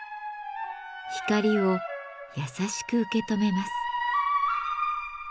光を優しく受け止めます。